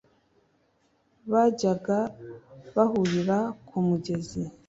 bajyaga bahurira ku mugezi